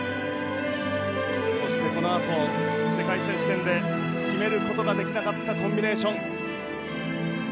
そしてこのあと世界選手権で決める事ができなかったコンビネーション。